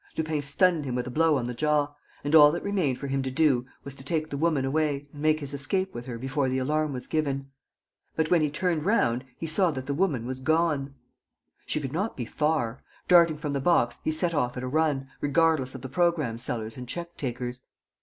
Lupin stunned him with a blow on the jaw; and all that remained for him to do was to take the woman away and make his escape with her before the alarm was given. But, when he turned round, he saw that the woman was gone. She could not be far. Darting from the box, he set off at a run, regardless of the programme sellers and check takers.